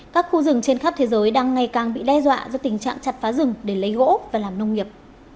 các khu rừng trên khắp thế giới đang ngày càng bị đe dọa do tình trạng chặt phá rừng để lấy gỗ và làm nông nghiệp